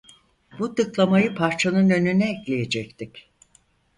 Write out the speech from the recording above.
Bu tıklamayı parçanın önüne ekleyecektik.